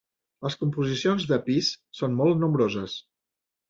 Les composicions de Peace són molt nombroses.